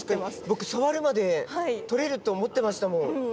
僕触るまで取れると思ってましたもん。